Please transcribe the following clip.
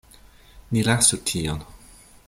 Ni lasu tion.